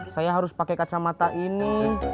saya harus pakai kacamata ini